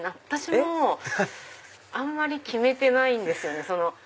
私もあんまり決めてないんです。